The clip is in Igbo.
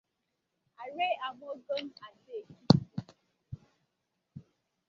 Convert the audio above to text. Aare Amuogun Ado-Ekiti